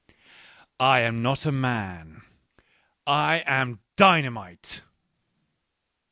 I am not a man, I am dynamite.